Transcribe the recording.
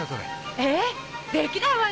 えぇ⁉できないわよ